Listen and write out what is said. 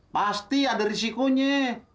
pasti ada risikonya